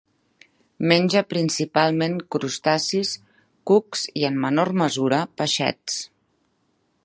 Menja principalment crustacis, cucs i, en menor mesura, peixets.